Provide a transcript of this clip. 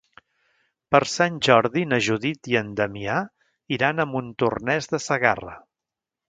Per Sant Jordi na Judit i en Damià iran a Montornès de Segarra.